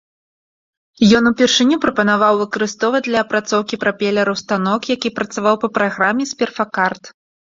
Ён упершыню прапанаваў выкарыстоўваць для апрацоўкі прапелераў станок, які працаваў па праграме з перфакарт.